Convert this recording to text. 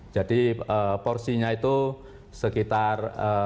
jadi porsinya itu sekitar lima puluh empat